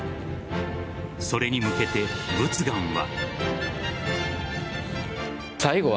それに向けて、佛願は。